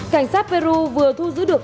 cảnh sát peru vừa thu giữ được